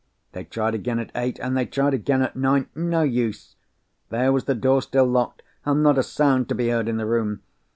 They tried again at eight, and they tried again at nine. No use! There was the door still locked—and not a sound to be heard in the room!